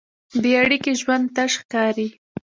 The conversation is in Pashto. بېاړیکې ژوند تش ښکاري.